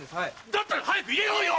だったら早く入れろよ！